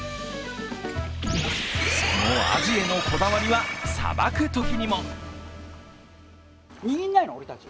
そのアジへのこだわりはさばくときにも。